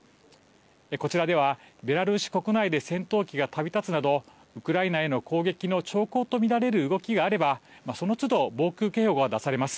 こちらではベラルーシ国内で戦闘機が飛び立つなどウクライナへの攻撃の兆候と見られる動きがあればそのつど防空警報が出されます。